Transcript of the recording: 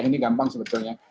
ini gampang sebetulnya